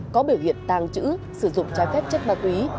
có biểu hiện tàng trữ sử dụng trái phép chất ma túy